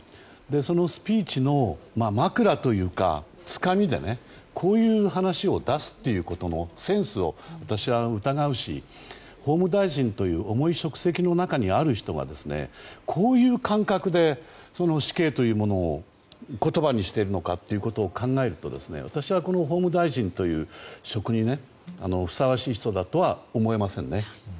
そのスピーチの枕というかつかみでこういう話を出すということのセンスを私は疑うし、法務大臣という重い職責の中にある人がこういう感覚で死刑というものを言葉にしているのかということを考えると私はこの法務大臣という職にふさわしい人だとは思いませんね。